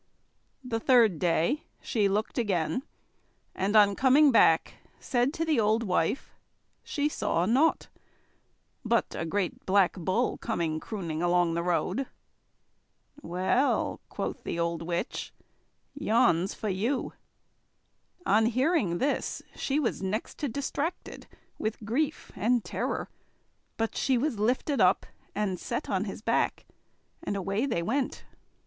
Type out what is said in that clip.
The third day she looked again, and on coming back said to the old wife she saw nought but a great Black Bull coming crooning along the road. "Well," quoth the old witch, "yon's for you." On hearing this she was next to distracted with grief and terror; but she was lifted up and set on his back, and away they went.